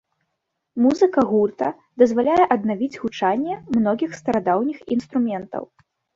Музыка гурта дазваляе аднавіць гучанне многіх старадаўніх інструментаў.